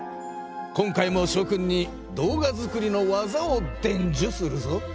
今回もしょ君に動画作りの技をでんじゅするぞ。